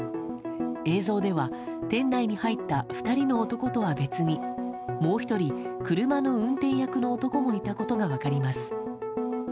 映像では店内に入った２人の男とは別にもう１人、車の運転役の男もいたことが分かります。